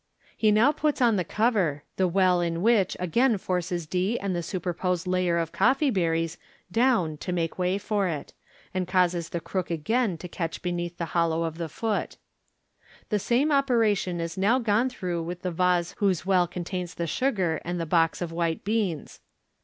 He now puts on the cover, the well in which again forces d and the superposed layer of coffee berries down to make way for it, snd causes the crook again to catch beneath the hollow of the foot. The same operation is now gone through with the vase whose well contains the sugar, and the box of white beans.